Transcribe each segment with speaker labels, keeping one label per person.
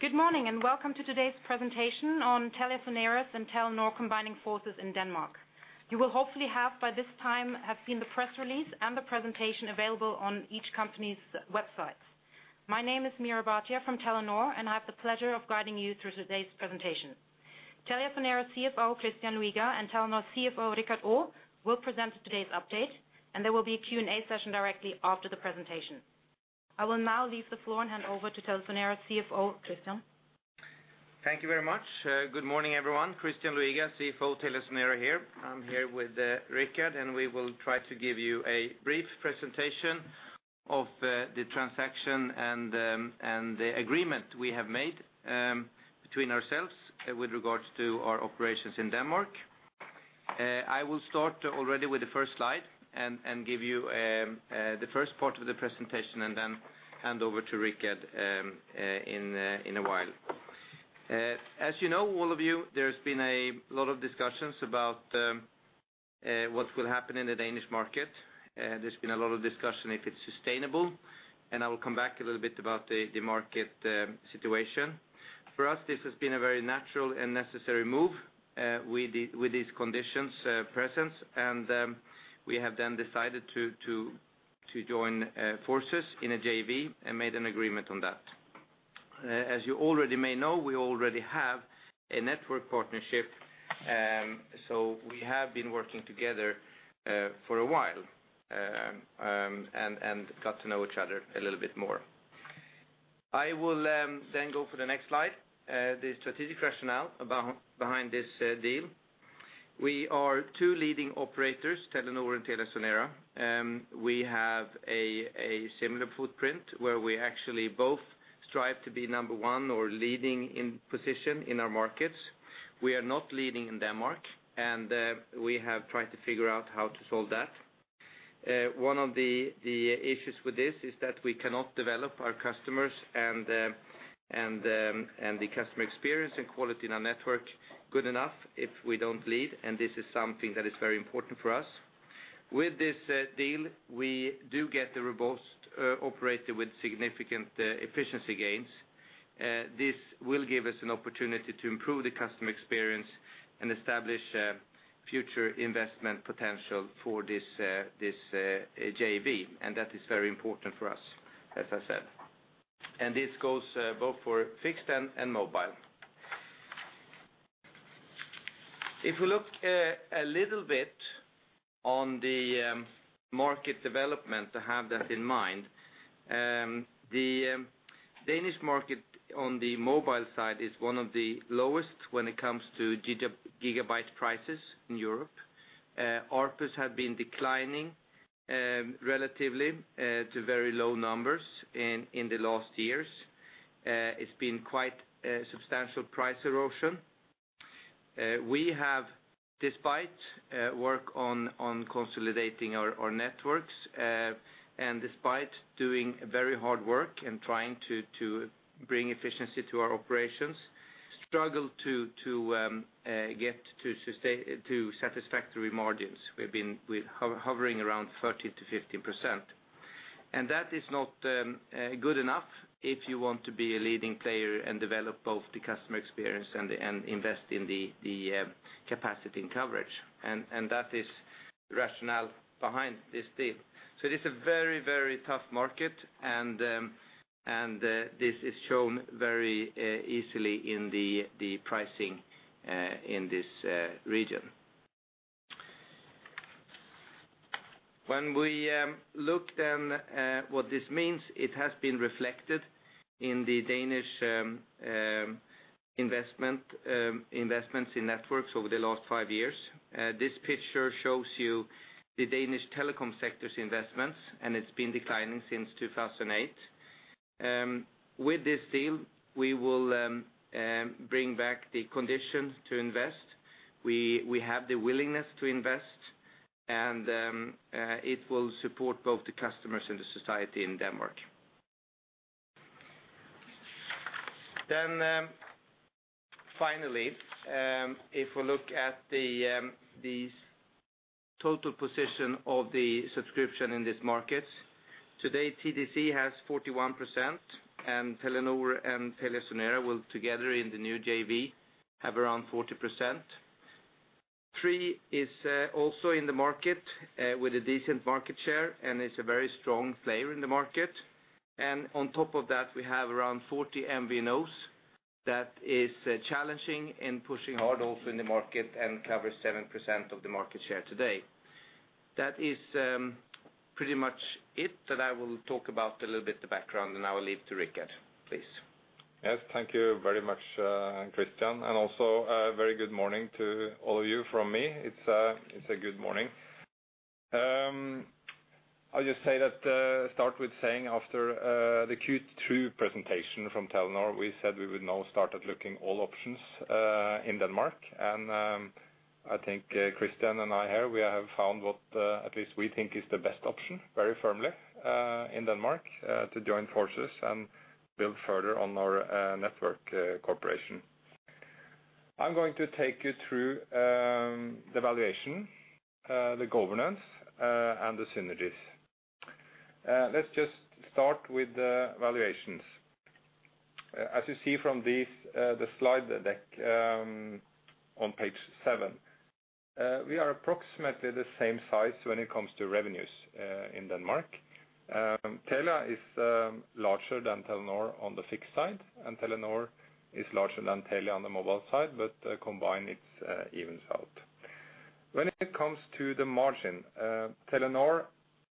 Speaker 1: Good morning, welcome to today's presentation on TeliaSonera and Telenor combining forces in Denmark. You will hopefully have by this time have seen the press release and the presentation available on each company's websites. My name is Meera Bhatia from Telenor, and I have the pleasure of guiding you through today's presentation. TeliaSonera CFO, Christian Luiga, and Telenor CFO, Rikard, will present today's update, and there will be a Q&A session directly after the presentation. I will now leave the floor and hand over to TeliaSonera CFO, Christian.
Speaker 2: Thank you very much. Good morning, everyone. Christian Luiga, CFO at TeliaSonera here. I'm here with Rikard, we will try to give you a brief presentation of the transaction and the agreement we have made between ourselves with regards to our operations in Denmark. I will start already with the first slide and give you the first part of the presentation, then hand over to Rikard in a while. As you know, all of you, there's been a lot of discussions about what will happen in the Danish market. There's been a lot of discussion if it's sustainable, I will come back a little bit about the market situation. For us, this has been a very natural and necessary move with these conditions present, we have then decided to join forces in a JV and made an agreement on that. As you already may know, we already have a network partnership, we have been working together for a while and got to know each other a little bit more. I will go for the next slide, the strategic rationale behind this deal. We are two leading operators, Telenor and TeliaSonera. We have a similar footprint where we actually both strive to be number 1 or leading in position in our markets. We are not leading in Denmark, we have tried to figure out how to solve that. One of the issues with this is that we cannot develop our customers and the customer experience and quality in our network good enough if we don't lead, this is something that is very important for us. With this deal, we do get a robust operator with significant efficiency gains. This will give us an opportunity to improve the customer experience and establish future investment potential for this JV, that is very important for us, as I said. This goes both for fixed and mobile. If we look a little bit on the market development to have that in mind, the Danish market on the mobile side is one of the lowest when it comes to gigabyte prices in Europe. ARPU has been declining relatively to very low numbers in the last years. It's been quite a substantial price erosion. We have, despite work on consolidating our networks, despite doing very hard work and trying to bring efficiency to our operations, struggled to get to satisfactory margins. We're hovering around 30%-15%. That is not good enough if you want to be a leading player and develop both the customer experience and invest in the capacity and coverage. That is the rationale behind this deal. It is a very, very tough market, and this is shown very easily in the pricing in this region. When we look then at what this means, it has been reflected in the Danish investments in networks over the last five years. This picture shows you the Danish telecom sector's investments, and it's been declining since 2008. With this deal, we will bring back the condition to invest. We have the willingness to invest, and it will support both the customers and the society in Denmark. Finally, if we look at the total position of the subscription in these markets. Today, TDC has 41%, and Telenor and TeliaSonera will together in the new JV have around 40%. Three is also in the market with a decent market share and is a very strong player in the market. On top of that, we have around 40 MVNOs that is challenging and pushing hard also in the market and covers 7% of the market share today. That is pretty much it that I will talk about a little bit the background, and I will leave to Rikard. Please.
Speaker 3: Yes, thank you very much, Christian, and also a very good morning to all of you from me. It's a good morning. I'll just start with saying after the Q2 presentation from Telenor, we said we would now start looking at all options in Denmark. I think Christian and I here, we have found what at least we think is the best option, very firmly, in Denmark, to join forces and build further on our network cooperation. I'm going to take you through the valuation, the governance, and the synergies. Let's just start with the valuations. As you see from the slide deck on page seven, we are approximately the same size when it comes to revenues in Denmark. Telia is larger than Telenor on the fixed side, and Telenor is larger than Telia on the mobile side, but combined, it evens out. When it comes to the margin, Telenor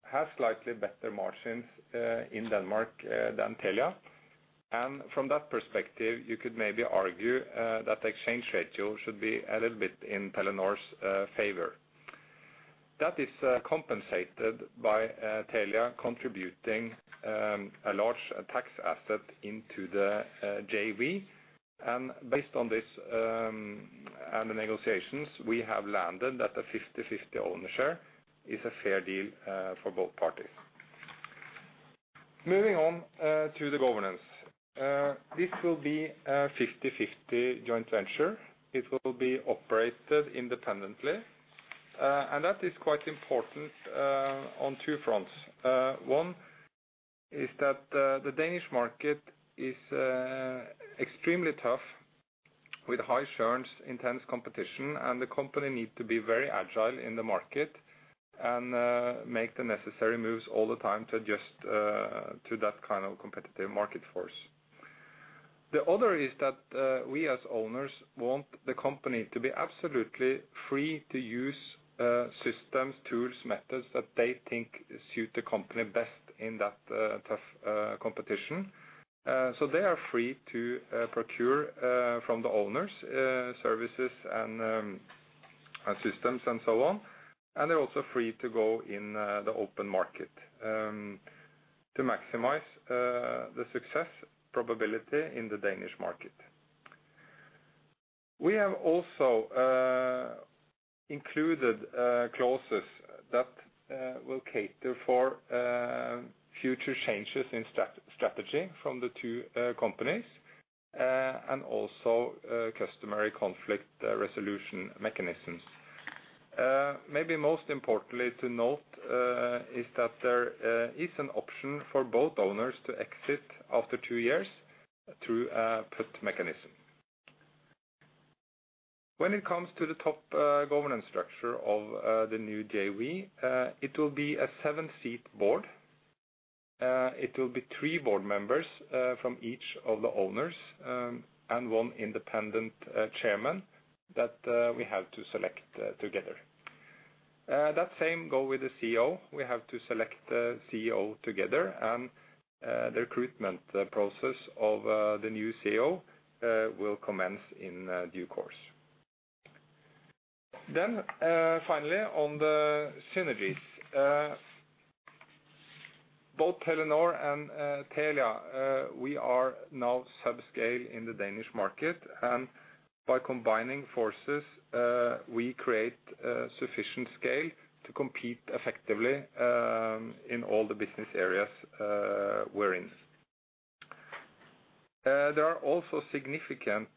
Speaker 3: has slightly better margins in Denmark than Telia, and from that perspective, you could maybe argue that the exchange ratio should be a little bit in Telenor's favor. That is compensated by Telia contributing a large tax asset into the JV, and based on this and the negotiations, we have landed that a 50/50 ownership is a fair deal for both parties. Moving on to the governance. This will be a 50/50 joint venture. It will be operated independently, and that is quite important on two fronts. One is that the Danish market is extremely tough, with high churns, intense competition, and the company needs to be very agile in the market and make the necessary moves all the time to adjust to that kind of competitive market force. The other is that we, as owners, want the company to be absolutely free to use systems, tools, methods that they think suit the company best in that tough competition. They are free to procure from the owners services and systems and so on, and they're also free to go in the open market to maximize the success probability in the Danish market. We have also included clauses that will cater for future changes in strategy from the two companies, and also customary conflict resolution mechanisms. Maybe most importantly to note is that there is an option for both owners to exit after two years through a put mechanism. When it comes to the top governance structure of the new JV, it will be a seven-seat board. It will be three board members from each of the owners and one independent chairman that we have to select together. That same go with the CEO. We have to select the CEO together, and the recruitment process of the new CEO will commence in due course. Finally, on the synergies. Both Telenor and Telia, we are now subscale in the Danish market, and by combining forces, we create sufficient scale to compete effectively in all the business areas we're in. There are also significant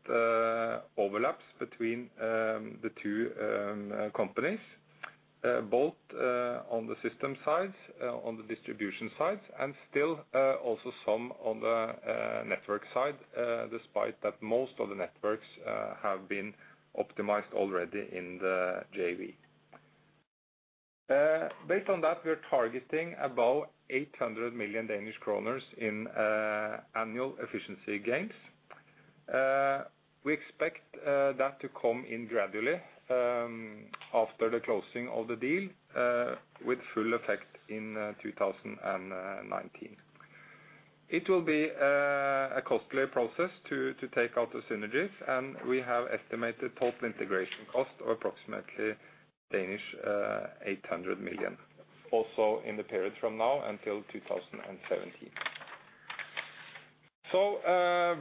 Speaker 3: overlaps between the two companies, both on the system sides, on the distribution sides, and still also some on the network side, despite that most of the networks have been optimized already in the JV. Based on that, we are targeting about 800 million Danish kroner in annual efficiency gains. We expect that to come in gradually after the closing of the deal, with full effect in 2019. It will be a costly process to take out the synergies, and we have estimated total integration cost of approximately 800 million, also in the period from now until 2017.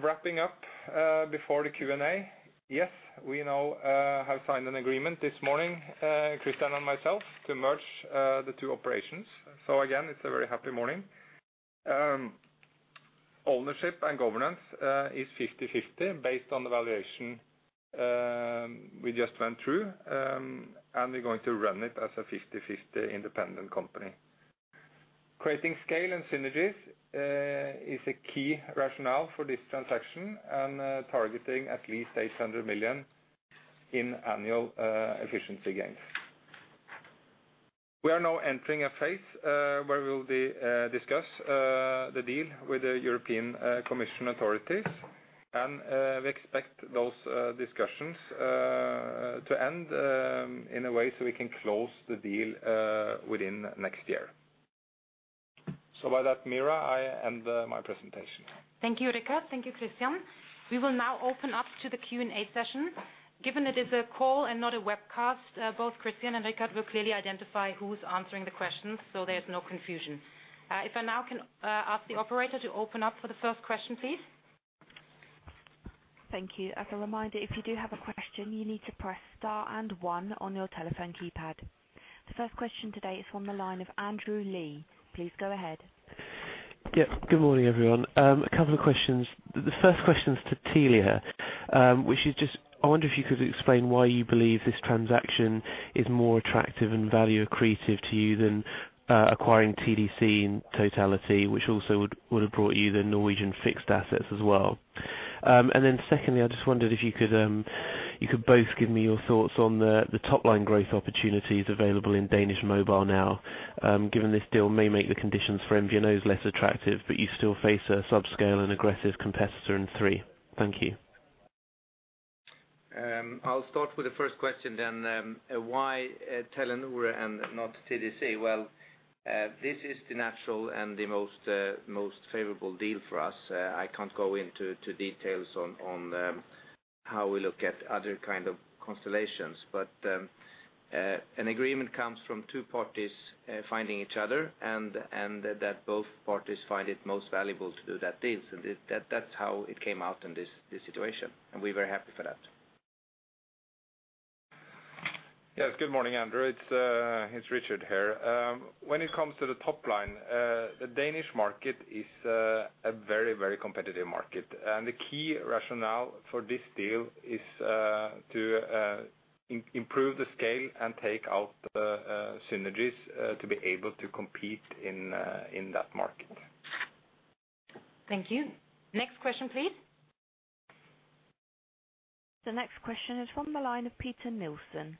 Speaker 3: Wrapping up before the Q&A. Yes, we now have signed an agreement this morning, Christian and myself, to merge the two operations. Again, it's a very happy morning. Ownership and governance is 50/50 based on the valuation we just went through, and we're going to run it as a 50/50 independent company. Creating scale and synergies is a key rationale for this transaction and targeting at least 800 million in annual efficiency gains. We are now entering a phase where we will discuss the deal with the European Commission authorities, and we expect those discussions to end in a way we can close the deal within next year. With that, Meera, I end my presentation.
Speaker 1: Thank you, Richard. Thank you, Christian. We will now open up to the Q&A session. Given it is a call and not a webcast, both Christian and Richard will clearly identify who's answering the questions, so there's no confusion. If I now can ask the operator to open up for the first question, please.
Speaker 4: Thank you. As a reminder, if you do have a question, you need to press star and one on your telephone keypad. The first question today is from the line of Andrew Lee. Please go ahead.
Speaker 5: Yeah. Good morning, everyone. A couple of questions. The first question is to Telia, which is just, I wonder if you could explain why you believe this transaction is more attractive and value accretive to you than acquiring TDC in totality, which also would have brought you the Norwegian fixed assets as well. Secondly, I just wondered if you could both give me your thoughts on the top-line growth opportunities available in Danish mobile now, given this deal may make the conditions for MVNOs less attractive, you still face a subscale and aggressive competitor in Three. Thank you.
Speaker 2: I'll start with the first question then. Why Telenor and not TDC? Well, this is the natural and the most favorable deal for us. I can't go into details on how we look at other kind of constellations. An agreement comes from two parties finding each other, and that both parties find it most valuable to do that deal. That's how it came out in this situation, and we're very happy for that.
Speaker 3: Yes. Good morning, Andrew. It's Richard here. When it comes to the top line, the Danish market is a very competitive market. The key rationale for this deal is to improve the scale and take out the synergies to be able to compete in that market.
Speaker 1: Thank you. Next question, please.
Speaker 4: The next question is from the line of Peter Nielsen. Please go ahead.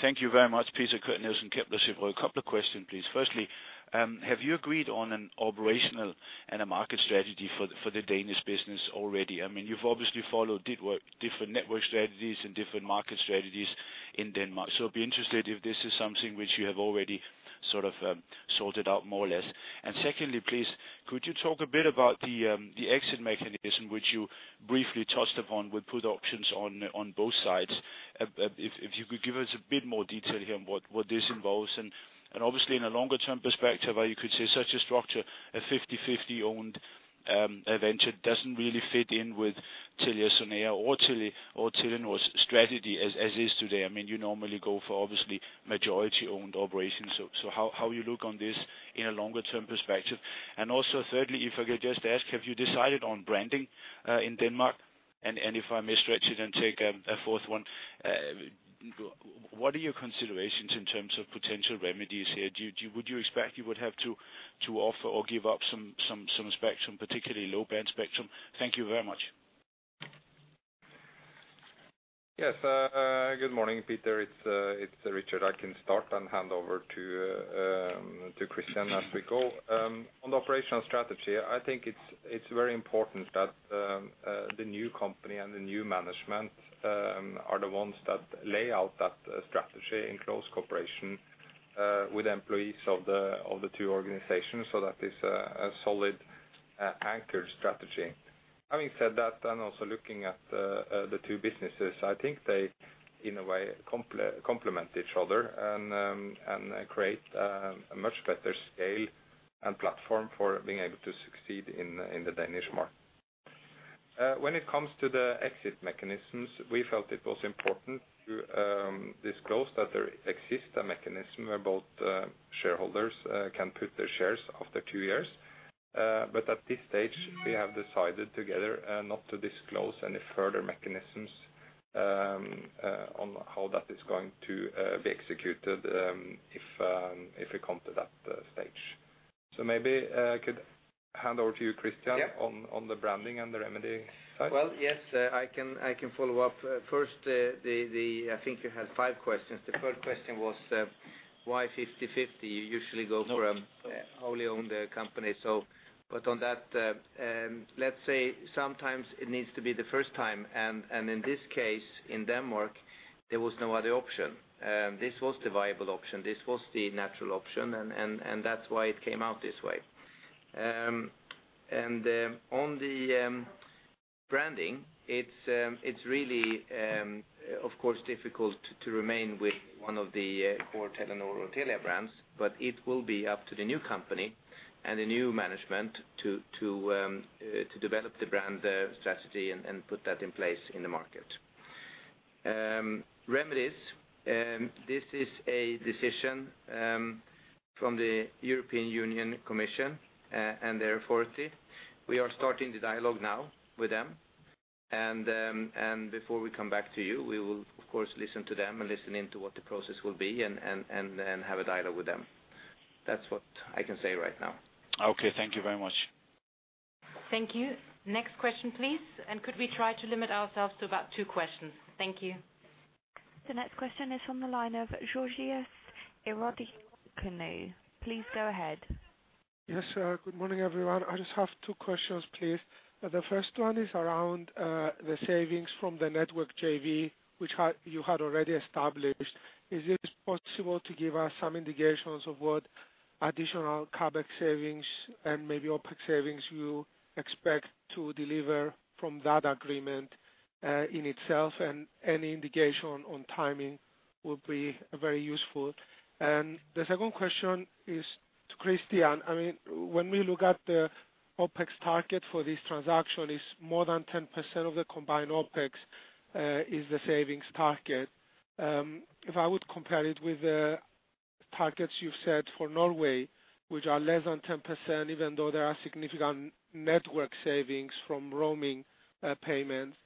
Speaker 6: Thank you very much. Peter Nielsen, Kepler Cheuvreux. A couple of questions, please. Firstly, have you agreed on an operational and a market strategy for the Danish business already? You've obviously followed different network strategies and different market strategies in Denmark. Be interested if this is something which you have already sort of sorted out more or less. Secondly, please, could you talk a bit about the exit mechanism which you briefly touched upon with put options on both sides? If you could give us a bit more detail here on what this involves and obviously in a longer-term perspective, how you could say such a structure, a 50-50 owned venture doesn't really fit in with TeliaSonera or Telenor's strategy as is today. You normally go for obviously majority-owned operations. How you look on this in a longer-term perspective? Also, thirdly, if I could just ask, have you decided on branding in Denmark? If I may stretch it and take a fourth one, what are your considerations in terms of potential remedies here? Would you expect you would have to offer or give up some spectrum, particularly low-band spectrum? Thank you very much.
Speaker 3: Yes. Good morning, Peter. It's Richard. I can start and hand over to Christian as we go. On the operational strategy, I think it's very important that the new company and the new management are the ones that lay out that strategy in close cooperation with employees of the two organizations, so that is a solid anchored strategy. Having said that, and also looking at the two businesses, I think they, in a way, complement each other and create a much better scale and platform for being able to succeed in the Danish market. When it comes to the exit mechanisms, we felt it was important to disclose that there exists a mechanism where both shareholders can put their shares after two years. At this stage, we have decided together not to disclose any further mechanisms on how that is going to be executed if we come to that stage. Maybe I could hand over to you, Christian-
Speaker 2: Yeah.
Speaker 3: -on the branding and the remedy side.
Speaker 2: Well, yes, I can follow up. First, I think you had five questions. The first question was why 50/50. You usually go for a wholly owned company. On that, let's say sometimes it needs to be the first time, and in this case, in Denmark, there was no other option. This was the viable option. This was the natural option, and that's why it came out this way. On the branding, it's really, of course, difficult to remain with one of the core Telenor or Telia brands, but it will be up to the new company and the new management to develop the brand strategy and put that in place in the market. Remedies, this is a decision from the European Union Commission and their authority. We are starting the dialogue now with them. Before we come back to you, we will of course listen to them and listen in to what the process will be and then have a dialogue with them. That's what I can say right now.
Speaker 6: Okay. Thank you very much.
Speaker 1: Thank you. Next question, please. Could we try to limit ourselves to about two questions? Thank you.
Speaker 4: The next question is from the line of Georgios Ierodikounou. Please go ahead.
Speaker 7: Yes, good morning, everyone. I just have two questions, please. The first one is around the savings from the network JV, which you had already established. Is it possible to give us some indications of what additional CapEx savings and maybe OpEx savings you expect to deliver from that agreement in itself, and any indication on timing would be very useful. The second question is to Christian. When we look at the OpEx target for this transaction, it's more than 10% of the combined OpEx is the savings target. If I would compare it with the targets you've set for Norway, which are less than 10%, even though there are significant network savings from roaming payments,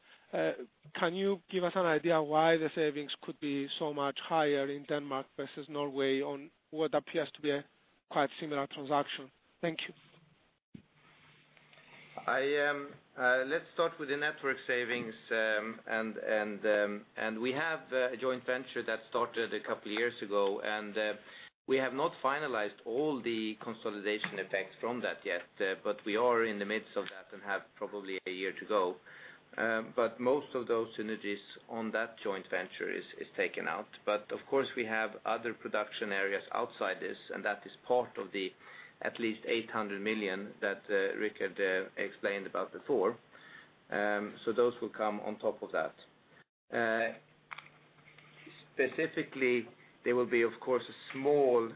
Speaker 7: can you give us an idea why the savings could be so much higher in Denmark versus Norway on what appears to be a quite similar transaction? Thank you.
Speaker 2: Let's start with the network savings. We have a joint venture that started a couple of years ago, and we have not finalized all the consolidation effects from that yet. We are in the midst of that and have probably a year to go. Most of those synergies on that joint venture is taken out. Of course, we have other production areas outside this, and that is part of the at least 800 million that Richard explained about before. Those will come on top of that. Specifically, there will be, of course, a small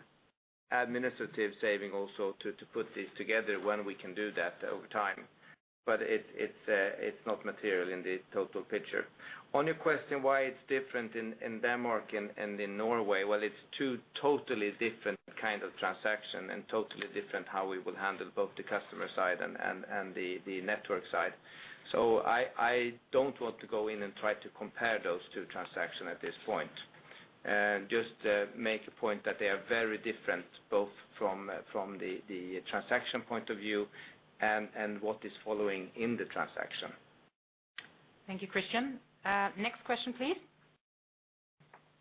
Speaker 2: administrative saving also to put this together when we can do that over time. It's not material in the total picture. On your question, why it's different in Denmark and in Norway, well, it's two totally different kind of transaction and totally different how we will handle both the customer side and the network side. I don't want to go in and try to compare those two transaction at this point. Just make a point that they are very different, both from the transaction point of view and what is following in the transaction.
Speaker 1: Thank you, Christian. Next question, please.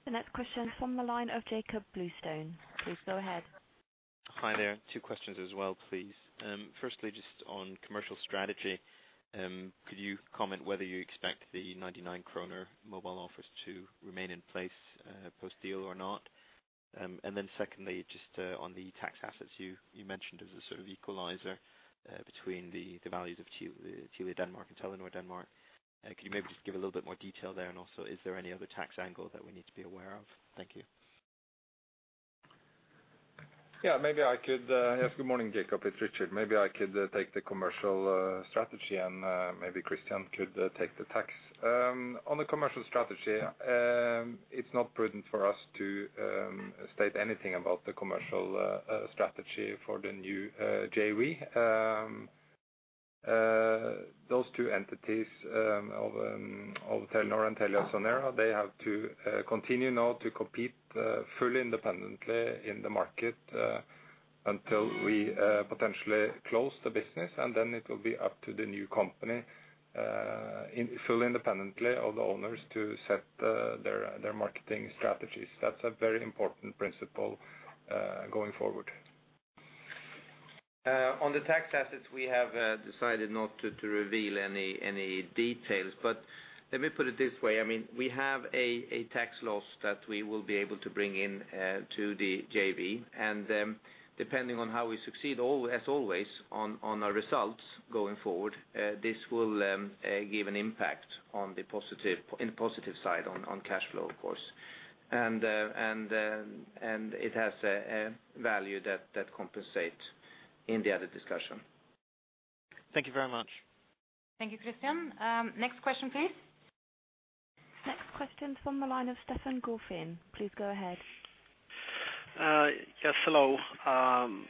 Speaker 4: The next question from the line of Jakob Bluestone. Please go ahead.
Speaker 8: Hi there. Two questions as well, please. Firstly, just on commercial strategy. Could you comment whether you expect the 99 kroner mobile offers to remain in place post-deal or not? Secondly, just on the tax assets you mentioned as a sort of equalizer between the values of Telia Denmark and Telenor Denmark. Could you maybe just give a little bit more detail there? Also, is there any other tax angle that we need to be aware of? Thank you.
Speaker 3: Good morning, Jakob. It's Richard. Maybe I could take the commercial strategy and maybe Christian could take the tax.
Speaker 8: Yeah
Speaker 3: It's not prudent for us to state anything about the commercial strategy for the new JV. Those two entities of Telenor and TeliaSonera, they have to continue now to compete fully independently in the market until we potentially close the business, then it will be up to the new company, fully independently of the owners to set their marketing strategies. That's a very important principle going forward.
Speaker 2: On the tax assets, we have decided not to reveal any details. Let me put it this way. We have a tax loss that we will be able to bring in to the JV, depending on how we succeed, as always, on our results going forward, this will give an impact in the positive side on cash flow, of course. It has a value that compensate in the other discussion.
Speaker 8: Thank you very much.
Speaker 1: Thank you, Christian. Next question, please.
Speaker 4: Next question from the line of Stefan Gauffin. Please go ahead.
Speaker 9: Yes, hello.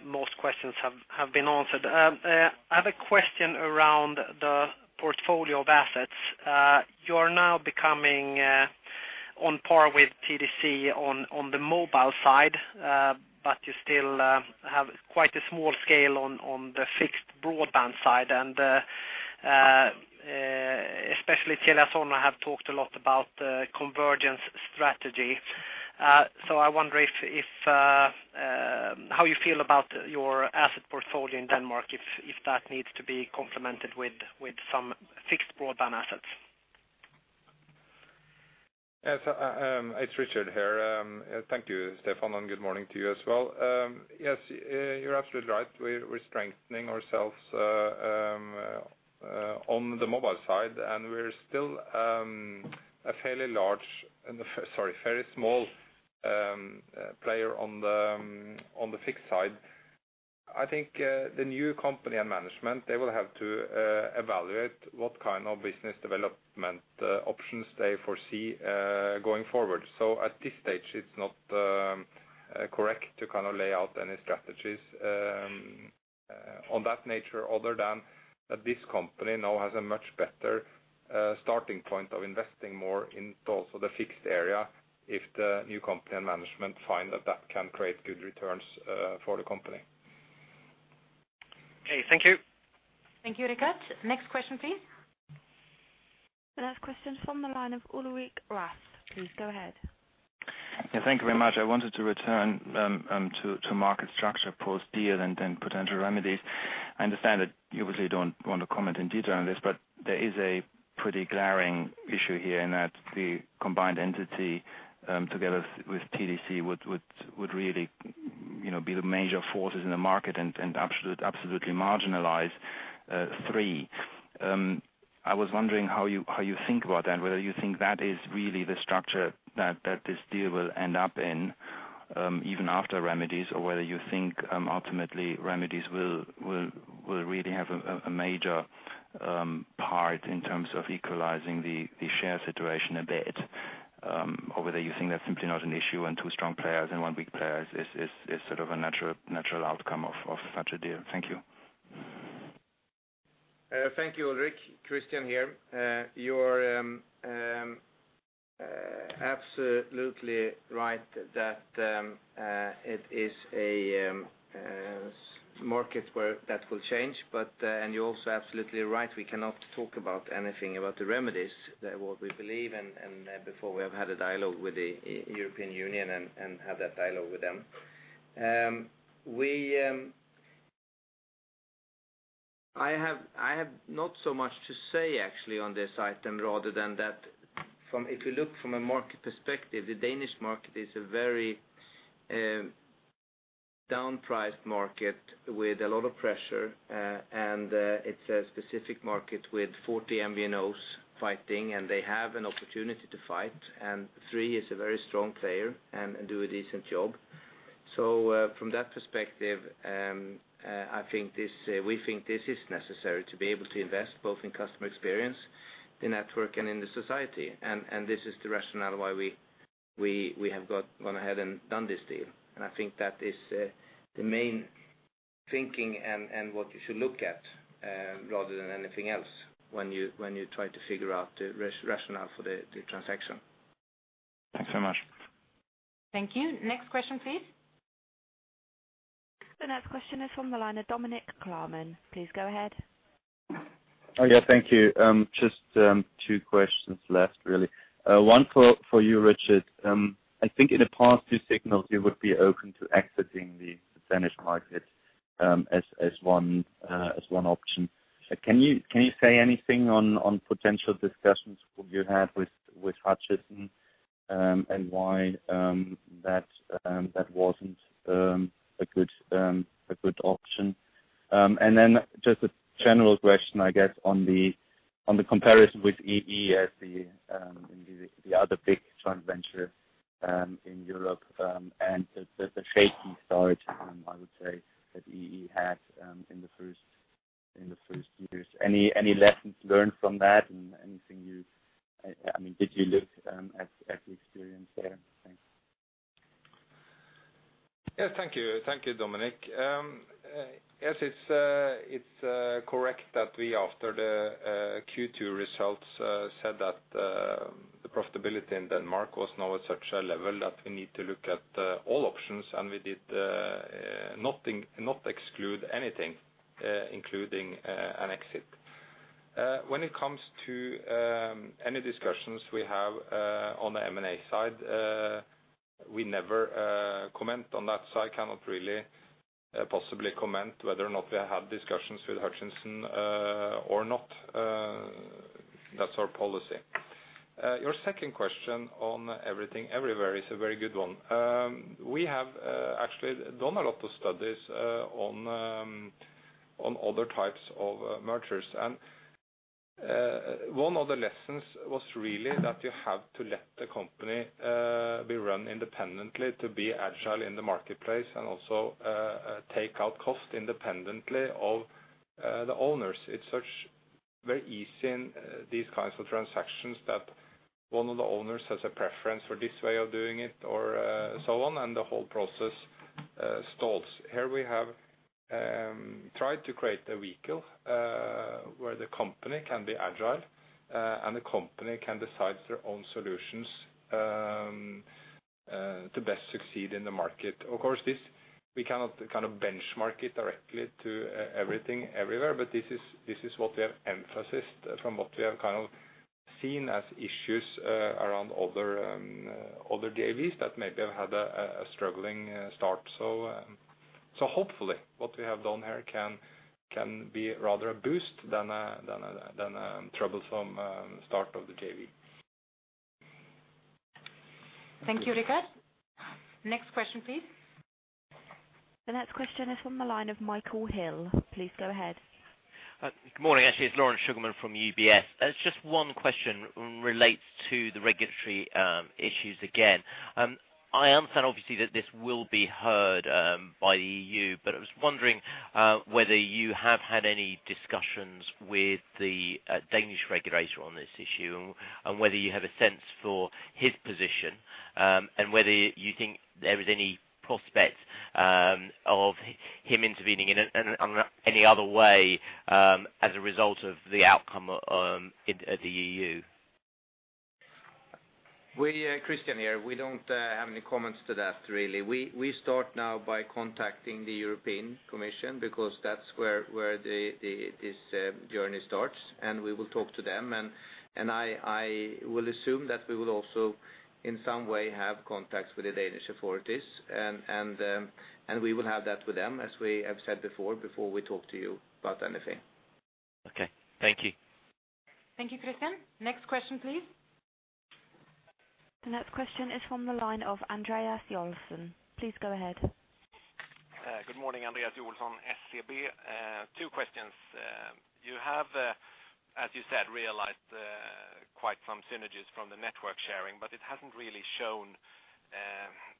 Speaker 9: Most questions have been answered. I have a question around the portfolio of assets. You are now becoming on par with TDC on the mobile side, but you still have quite a small scale on the fixed broadband side, and especially TeliaSonera have talked a lot about the convergence strategy. I wonder how you feel about your asset portfolio in Denmark, if that needs to be complemented with some fixed broadband assets.
Speaker 3: Yes, it's Richard here. Thank you, Stefan, and good morning to you as well. Yes, you're absolutely right. We're strengthening ourselves on the mobile side, and we're still a fairly small player on the fixed side. I think the new company and management, they will have to evaluate what kind of business development options they foresee going forward. At this stage, it's not correct to lay out any strategies of that nature other than that this company now has a much better starting point of investing more in also the fixed area if the new company and management find that that can create good returns for the company.
Speaker 9: Okay, thank you.
Speaker 1: Thank you, Richard. Next question, please.
Speaker 4: The next question's from the line of Ulrich Rathe. Please go ahead.
Speaker 10: Thank you very much. I wanted to return to market structure post-deal, then potential remedies. I understand that you obviously don't want to comment in detail on this, there is a pretty glaring issue here in that the combined entity, together with TDC, would really be the major forces in the market and absolutely marginalize Three. I was wondering how you think about that, and whether you think that is really the structure that this deal will end up in even after remedies, or whether you think ultimately remedies will really have a major part in terms of equalizing the share situation a bit. Whether you think that's simply not an issue and two strong players and one weak player is a natural outcome of such a deal. Thank you.
Speaker 2: Thank you, Ulrich. Christian here. You're absolutely right that it is a market where that will change, you're also absolutely right, we cannot talk about anything about the remedies, what we believe, before we have had a dialogue with the European Union and have that dialogue with them. I have not so much to say actually on this item rather than that if you look from a market perspective, the Danish market is a very downpriced market with a lot of pressure, and it's a specific market with 40 MVNOs fighting, and they have an opportunity to fight, and Three is a very strong player and do a decent job. From that perspective, we think this is necessary to be able to invest both in customer experience, the network, and in the society. This is the rationale why we have gone ahead and done this deal. I think that is the main thinking and what you should look at rather than anything else when you try to figure out the rationale for the transaction.
Speaker 10: Thanks so much.
Speaker 1: Thank you. Next question, please.
Speaker 4: The next question is from the line of Dominik Klarmann. Please go ahead.
Speaker 11: Thank you. Just two questions left really. One for you, Richard. I think in the past you signaled you would be open to exiting the Danish market as one option. Can you say anything on potential discussions you had with Hutchison, and why that wasn't a good option? Then just a general question, I guess, on the comparison with EE as the other big joint venture in Europe, and the shaky start, I would say, that EE had in the first years. Any lessons learned from that? Did you look at the experience there? Thanks.
Speaker 3: Thank you, Dominik. Yes, it's correct that we after the Q2 results said that the profitability in Denmark was now at such a level that we need to look at all options, and we did not exclude anything, including an exit. When it comes to any discussions we have on the M&A side, we never comment on that, so I cannot really possibly comment whether or not we have had discussions with Hutchison or not. That's our policy. Your second question on Everything Everywhere is a very good one. We have actually done a lot of studies on other types of mergers, and one of the lessons was really that you have to let the company be run independently to be agile in the marketplace and also take out cost independently of the owners. It's such very easy in these kinds of transactions that one of the owners has a preference for this way of doing it or so on, and the whole process stalls. Here we have tried to create a vehicle, where the company can be agile, and the company can decide their own solutions to best succeed in the market. Of course, we cannot benchmark it directly to Everything Everywhere, but this is what we have emphasized from what we have seen as issues around other JVs that maybe have had a struggling start. Hopefully what we have done here can be rather a boost than a troublesome start of the JV.
Speaker 1: Thank you, Richard. Next question, please.
Speaker 4: The next question is from the line of Michael Hill. Please go ahead.
Speaker 12: Good morning. Actually, it's Lawrence Sugarman from UBS. It's just one question relates to the regulatory issues again. I understand obviously that this will be heard by the EU. I was wondering whether you have had any discussions with the Danish regulator on this issue. Whether you have a sense for his position, and whether you think there is any prospect of him intervening in any other way as a result of the outcome at the EU.
Speaker 2: Christian here. We don't have any comments to that really. We start now by contacting the European Commission because that's where this journey starts. We will talk to them. I will assume that we will also in some way have contacts with the Danish authorities. We will have that with them, as we have said before we talk to you about anything.
Speaker 12: Okay. Thank you.
Speaker 1: Thank you, Christian. Next question, please.
Speaker 4: The next question is from the line of Andreas Joelsson. Please go ahead.
Speaker 13: Good morning, Andreas Joelsson, SEB. Two questions. You have, as you said, realized quite some synergies from the network sharing, but it hasn't really shown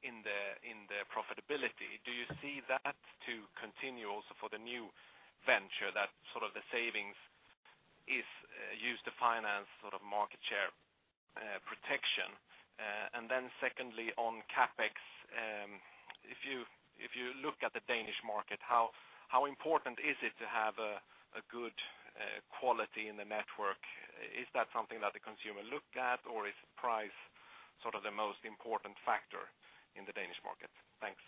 Speaker 13: in the profitability. Do you see that to continue also for the new venture, that the savings is used to finance market share protection? Secondly, on CapEx, if you look at the Danish market, how important is it to have a good quality in the network? Is that something that the consumer look at, or is price the most important factor in the Danish market? Thanks.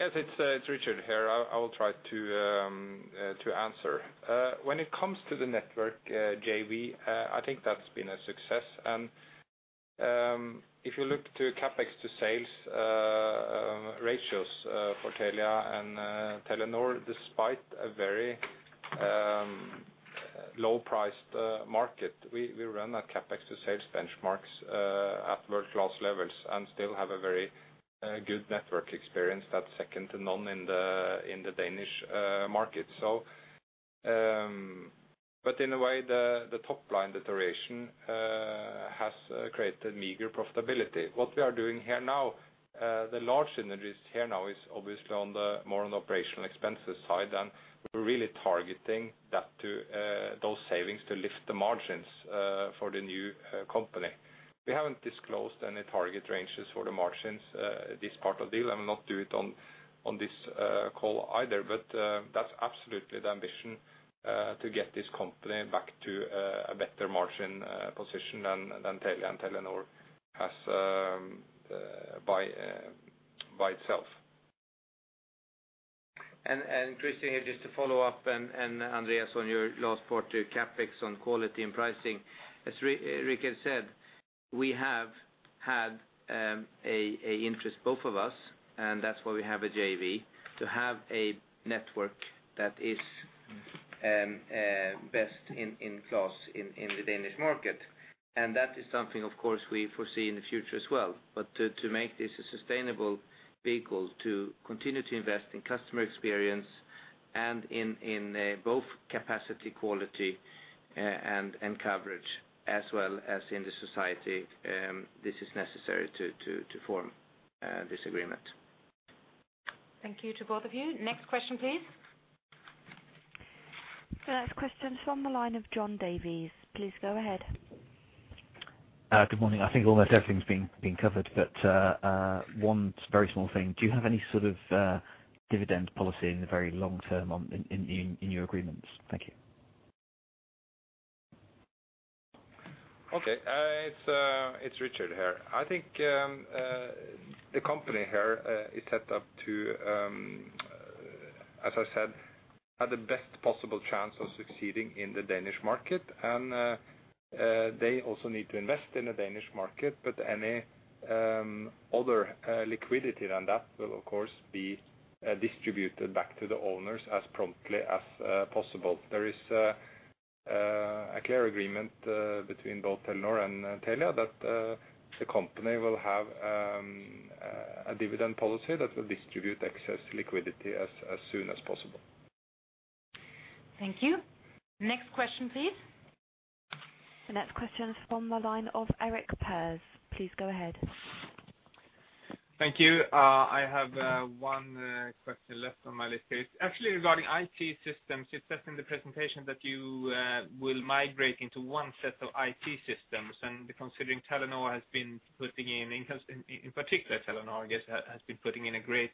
Speaker 3: Yes, it's Richard here. I will try to answer. When it comes to the network JV, I think that's been a success. If you look to CapEx to sales ratios for Telia and Telenor, despite a very low-priced market, we run our CapEx to sales benchmarks at world-class levels and still have a very good network experience that's second to none in the Danish market. In a way, the top line deterioration has created meager profitability. What we are doing here now, the large synergies here now is obviously more on the operational expenses side, and we're really targeting those savings to lift the margins for the new company. We haven't disclosed any target ranges for the margins this part of the deal, and will not do it on this call either. That's absolutely the ambition, to get this company back to a better margin position than Telia and Telenor has by itself.
Speaker 2: Christian here, just to follow up, and Andreas, on your last part to CapEx on quality and pricing, as Richard said, we have had a interest, both of us, and that's why we have a JV, to have a network that is best in class in the Danish market. That is something, of course, we foresee in the future as well. To make this a sustainable vehicle, to continue to invest in customer experience and in both capacity, quality and coverage, as well as in the society, this is necessary to form this agreement.
Speaker 4: Thank you to both of you. Next question, please. The next question is from the line of John Davies. Please go ahead.
Speaker 14: Good morning. I think almost everything's been covered, but one very small thing. Do you have any sort of dividend policy in the very long term in your agreements? Thank you.
Speaker 3: Okay. It's Richard here. I think the company here is set up to, as I said, have the best possible chance of succeeding in the Danish market, and they also need to invest in the Danish market. Any other liquidity than that will, of course, be distributed back to the owners as promptly as possible. There is a clear agreement between both Telenor and Telia that the company will have a dividend policy that will distribute excess liquidity as soon as possible.
Speaker 4: Thank you. Next question, please. The next question is from the line of Erik Pers. Please go ahead.
Speaker 15: Thank you. I have one question left on my list here. It's actually regarding IT systems. You said in the presentation that you will migrate into one set of IT systems, and considering, in particular Telenor, I guess, has been putting in a great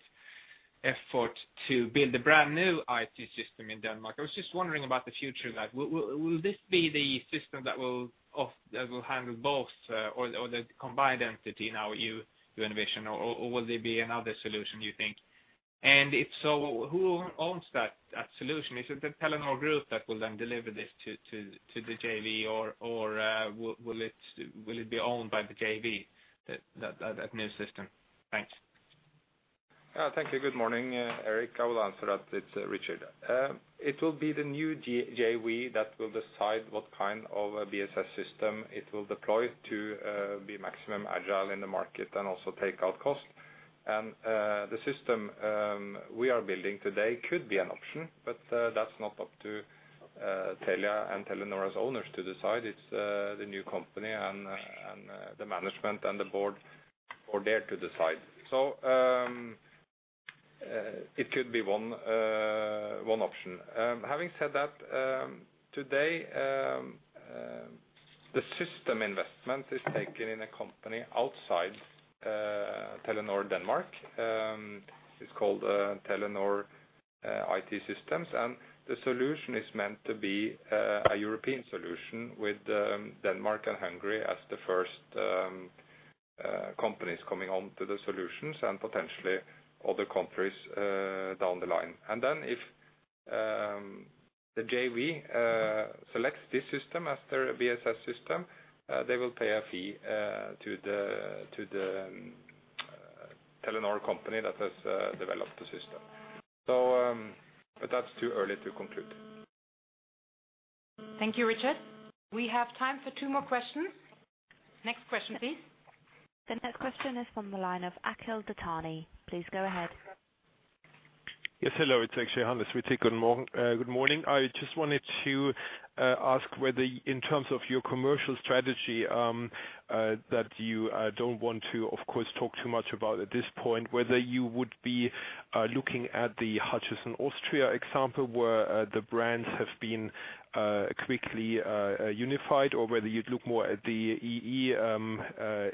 Speaker 15: effort to build a brand-new IT system in Denmark. I was just wondering about the future of that. Will this be the system that will handle both or the combined entity now you envision, or will there be another solution, do you think? If so, who owns that solution? Is it the Telenor group that will then deliver this to the JV, or will it be owned by the JV, that new system? Thanks.
Speaker 3: Thank you. Good morning, Erik. I will answer that. It's Richard. It will be the new JV that will decide what kind of a BSS system it will deploy to be maximum agile in the market and also take out cost. The system we are building today could be an option, but that's not up to Telia and Telenor's owners to decide. It's the new company and the management and the board for there to decide. It could be one option. Having said that, today, the system investment is taken in a company outside Telenor Denmark. It's called Telenor IT Systems, and the solution is meant to be a European solution with Denmark and Hungary as the first companies coming on to the solutions and potentially other countries down the line. if the JV selects this system as their BSS system, they will pay a fee to the Telenor company that has developed the system. That's too early to conclude.
Speaker 1: Thank you, Richard. We have time for two more questions. Next question, please.
Speaker 4: The next question is from the line of Akhil Dattani. Please go ahead.
Speaker 16: Yes, hello, it's Akhil Dattani. Good morning. I just wanted to ask whether in terms of your commercial strategy that you don't want to, of course, talk too much about at this point, whether you would be looking at the Hutchison Austria example, where the brands have been quickly unified or whether you'd look more at the EE,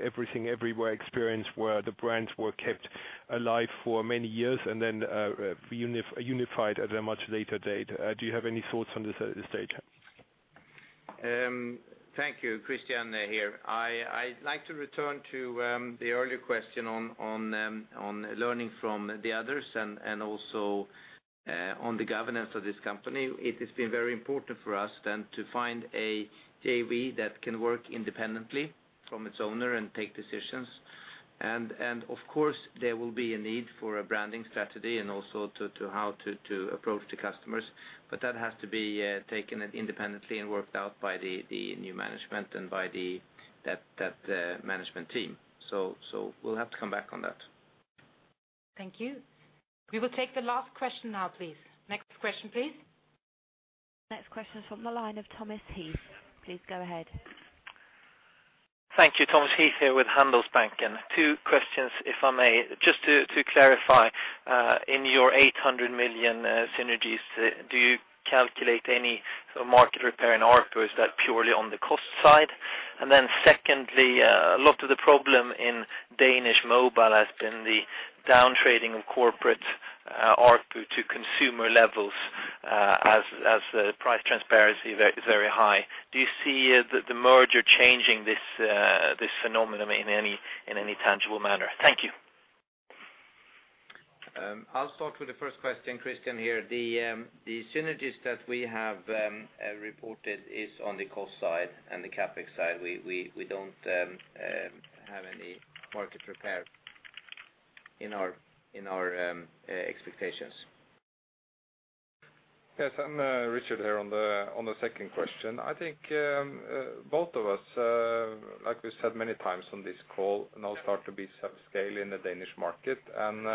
Speaker 16: Everything Everywhere experience where the brands were kept alive for many years and then unified at a much later date. Do you have any thoughts on this at this stage?
Speaker 2: Thank you. Christian here. I'd like to return to the earlier question on learning from the others and also on the governance of this company. It has been very important for us to find a JV that can work independently from its owner and make decisions. Of course, there will be a need for a branding strategy and also how to approach the customers. That has to be taken independently and worked out by the new management and by that management team. We'll have to come back on that.
Speaker 1: Thank you. We will take the last question now, please. Next question, please.
Speaker 4: Next question is from the line of Thomas Heath. Please go ahead.
Speaker 17: Thank you. Thomas Heath here with Handelsbanken. Two questions, if I may. Just to clarify, in your 800 million synergies, do you calculate any market repair in ARPU, or is that purely on the cost side? Secondly, a lot of the problem in Danish Mobile has been the downtrading of corporate ARPU to consumer levels as the price transparency is very high. Do you see the merger changing this phenomenon in any tangible manner? Thank you.
Speaker 2: I'll start with the first question. Christian here. The synergies that we have reported are on the cost side and the CapEx side. We don't have any market repair in our expectations.
Speaker 3: Yes, Richard here on the second question. I think both of us, like we said many times on this call, Now start to be subscale in the Danish market and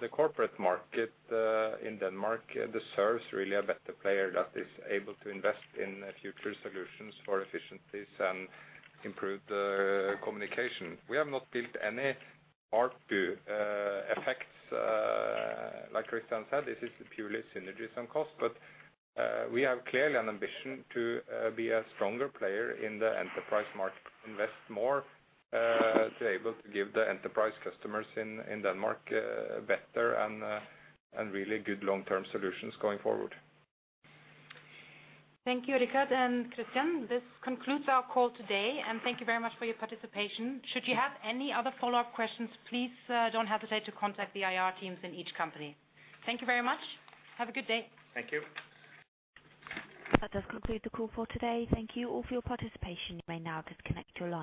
Speaker 3: the corporate market in Denmark deserves really a better player that is able to invest in future solutions for efficiencies and improved communication. We have not built any ARPU effects. Like Christian said, this is purely synergies and cost, but we have clearly an ambition to be a stronger player in the enterprise market, invest more to be able to give the enterprise customers in Denmark better and really good long-term solutions going forward.
Speaker 1: Thank you, Richard and Christian. This concludes our call today, and thank you very much for your participation. Should you have any other follow-up questions, please don't hesitate to contact the IR teams in each company. Thank you very much. Have a good day.
Speaker 2: Thank you.
Speaker 4: That does conclude the call for today. Thank you all for your participation. You may now disconnect your line.